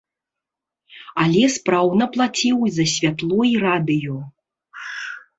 Але спраўна плаціў за святло і радыё.